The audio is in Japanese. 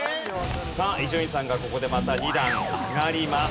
さあ伊集院さんがここでまた２段上がります。